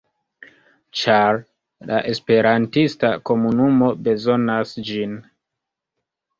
Ĉar la esperantista komunumo bezonas ĝin.